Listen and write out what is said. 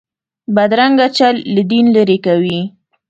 بدرنګه چل له دین لرې کوي